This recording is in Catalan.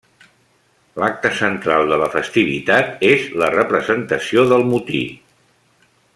L’acte central de la festivitat és la representació del motí.